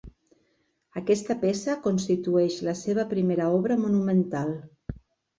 Aquesta peça constitueix la seva primera obra monumental.